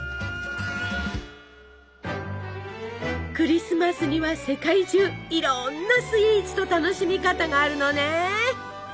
クリスマスには世界中いろんなスイーツと楽しみ方があるのね。